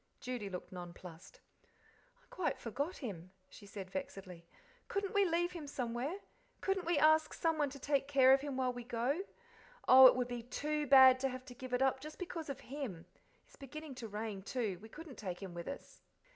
Judy looked nonplussed. "I quite forgot him," she said, vexedly. "Couldn't we leave him somewhere? Couldn't we ask someone to take care of him while we go? Oh, it would be TOO bad to have to give it up just because of him. It's beginning to rain, too; we couldn't take him with us."